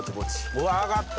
うわ揚がった。